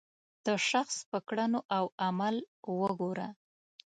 د شخص په کړنو او عمل وګوره.